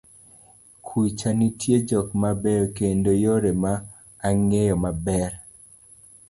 kucha nitie jok mabeyo, kendo yore ne ang'eyo maber